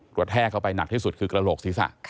แทกเข้าไปหนักที่สุดคือกระโหลกศีรษะ